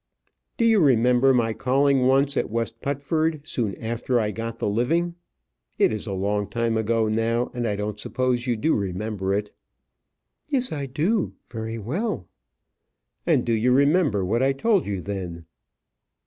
"Do you remember my calling once at West Putford, soon after I got the living? It is a long time ago now, and I don't suppose you do remember it." "Yes, I do; very well." "And do you remember what I told you then?"